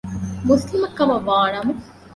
މުސްލިމެއްކަމަށްވާ ނަމަ